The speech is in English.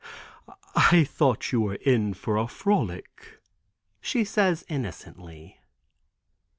"I thought you were in for a frolic," she says innocently.